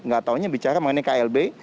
gak taunya bicara mengenai klb